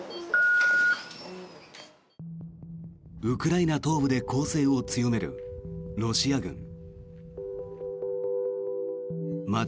ウクライナ東部で攻勢を強めるロシア軍。